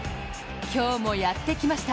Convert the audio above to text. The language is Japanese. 今日もやってきました、